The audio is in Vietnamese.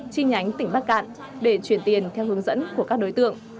chi nhánh tỉnh bắc cạn để chuyển tiền theo hướng dẫn của các đối tượng